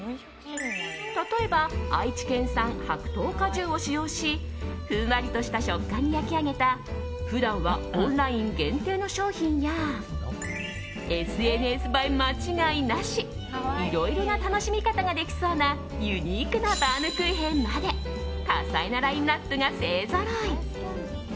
例えば愛知県産白桃果汁を使用しふんわりとした食感に焼き上げた普段はオンライン限定の商品やＳＮＳ映え間違いなしいろいろな楽しみ方ができそうなユニークなバウムクーヘンまで多彩なラインアップが勢ぞろい。